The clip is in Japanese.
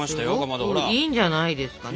すごくいいんじゃないですかね。